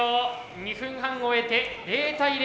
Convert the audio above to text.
２分半を終えて０対０。